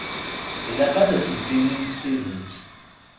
Ilaq ad sen-tinimt tidet.